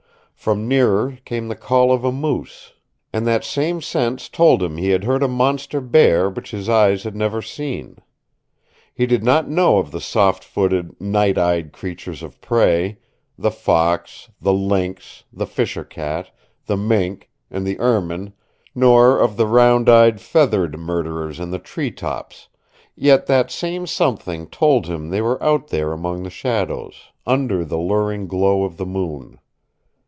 From nearer came the call of a moose, and that same sense told him he had heard a monster bear which his eyes had never seen. He did not know of the soft footed, night eyed creatures of prey the fox, the lynx, the fisher cat, the mink and the ermine, nor of the round eyed, feathered murderers in the tree tops yet that same something told him they were out there among the shadows, under the luring glow of the moon.